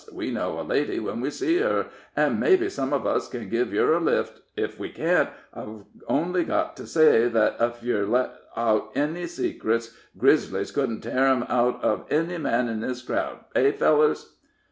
We know a lady when we see her, an' mebbe some on us ken give yer a lift; if we can't, I've only got to say thet ef yer let out enny secrets, grizzlies couldn't tear 'em out uv enny man in this crowd. Hey, fellers?"